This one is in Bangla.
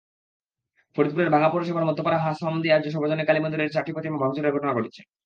ফরিদপুরের ভাঙ্গা পৌরসভার মধ্যপাড়া হাসামদিয়া সর্বজনীন কালীমন্দিরের চারটি প্রতিমা ভাঙচুরের ঘটনা ঘটেছে।